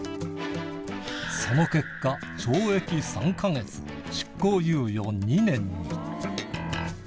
その結果、懲役３か月、執行猶予２年に。